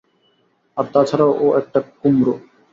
আর তাছাড়াও ও একটা কুমড়ো।